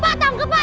pak tangkap pak